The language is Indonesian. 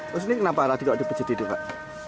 terus ini kenapa tadi kalau dipeceti tuh pak